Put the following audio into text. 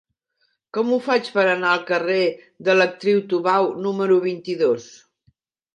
Com ho faig per anar al carrer de l'Actriu Tubau número vint-i-dos?